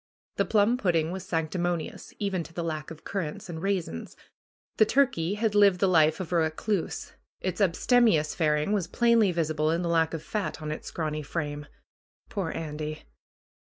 The plum pudding was sanctimonious, even to the lack of currants and raisins. The turkey had lived the life of a recluse ; its abstemious faring was plainly visible in the lack of fat on its scraray frame. Poor Andy